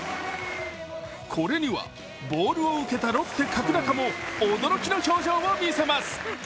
これにはボールを受けたロッテ・角中も驚きの表情を見せます。